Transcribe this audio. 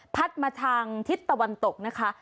มาทางทิศตะวันตกนะคะ